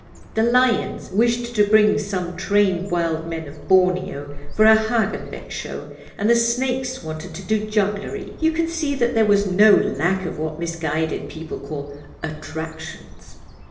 The lions wished to bring some trained Wild Men of Borneo for a Hagenbeck show, and the snakes wanted to do jugglery. You can see that there was no lack of what misguided people call 'attractions.